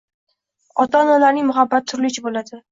Ota-onalarning muhabbati turlicha bo‘ladi.